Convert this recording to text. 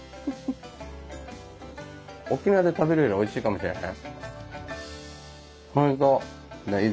沖縄で食べるよりおいしいかもしれない。